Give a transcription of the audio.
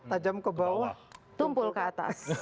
tajam ke bawah tumpul ke atas